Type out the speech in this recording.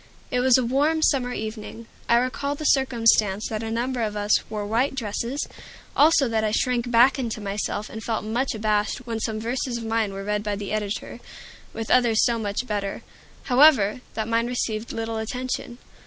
It was a warm, summer evening. I recall the circumstance that a number of us wore white dresses; also that I shrank back into myself, and felt much abashed when some verses of mine were read by the editor, with others so much better, however, that mine received little attention.